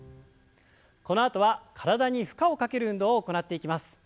このあとは体に負荷をかける運動を行っていきます。